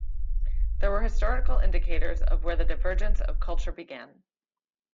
There are historical indicators of where the divergence of culture began.